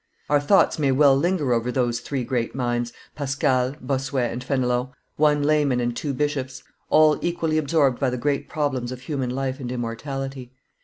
Our thoughts may well linger over those three great minds, Pascal, Bossuet, and Fenelon, one layman and two bishops; all equally absorbed by the great problems of human life and immortality.